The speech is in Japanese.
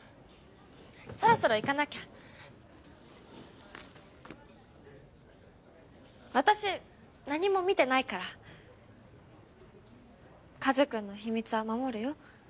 そろそろ行かなきゃ私何も見てないから和くんの秘密は守るよ